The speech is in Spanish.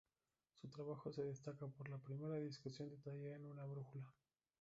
Su trabajo se destaca por la primera discusión detallada de una brújula.